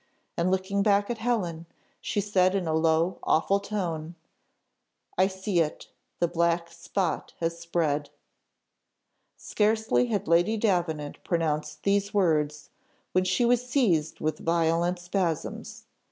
and looking back at Helen, she said in a low, awful tone, "I see it; the black spot has spread!" Scarcely had Lady Davenant pronounced these words, when she was seized with violent spasms.